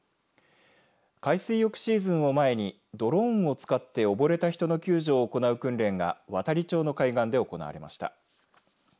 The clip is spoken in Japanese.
海水浴シーズンを前にドローンを使って溺れた人の救助を行う訓練が亘理町の海岸で行われました。